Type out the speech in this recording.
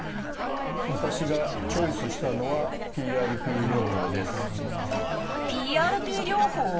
私がチョイスしたのは「ＰＲＰ療法」？